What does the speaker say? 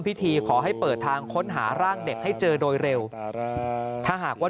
พิธีขอให้เปิดทางค้นหาร่างเด็กให้เจอโดยเร็วถ้าหากว่า